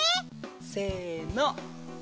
せの。